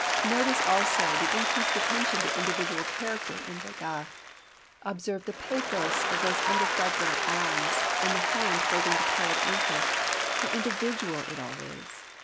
Notice also the increased attention to individual character in the Degas, observe the pathos of those underfed little arms, and the hand holding the tired ankle how individual it all is.